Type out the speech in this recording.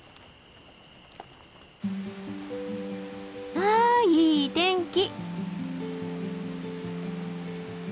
あいい天気！